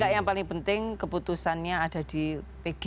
ya yang paling penting keputusannya ada di pg